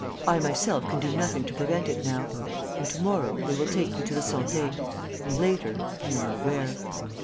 I myself can do nothing to prevent it now. And, to morrow, they will take you to the Santé; and later, you know where.